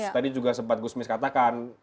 tadi juga sempat gusmis katakan